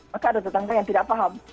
maka ada tetangga yang tidak paham